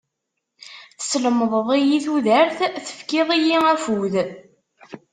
Teslemdeḍ-iyi tudert, tefkiḍ-iyi afud.